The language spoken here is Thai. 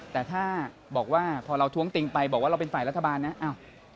แต่ถ้าบอกว่าพอเราท้วงติงไปบอกว่าเราเป็นฝ่ายรัฐบาลนะอ้าว